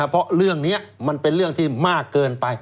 เพราะเรื่องนี้มันเป็นเรื่องที่มากเกินไป